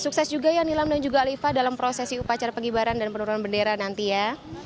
sukses juga ya nilam dan juga alifa dalam prosesi upacara pengibaran dan penurunan bendera nanti ya